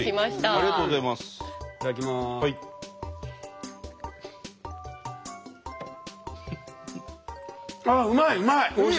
あっうまいうまい！